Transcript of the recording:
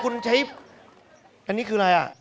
คุณใช้อันนี้คืออะไรอ่ะ